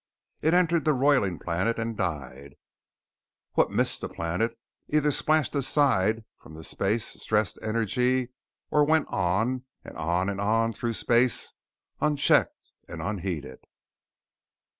It entered the roiling planet and died, and what missed the planet either splashed aside from the space stressed energy or went on and on and on through space unchecked and unheeded.